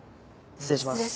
失礼します。